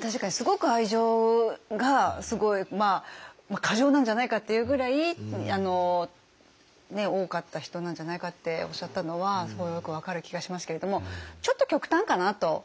確かにすごく愛情がすごい過剰なんじゃないかっていうぐらい多かった人なんじゃないかっておっしゃったのはすごいよく分かる気がしますけれどもちょっと極端かなと。